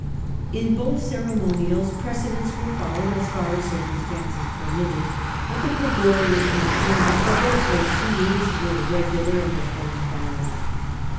In both ceremonials precedents were followed as far as circumstances permitted ; but the Gregorians main tained that the whole proceedings were irregular, and therefore invalid.